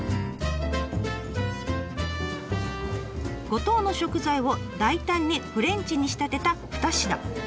五島の食材を大胆にフレンチに仕立てた２品。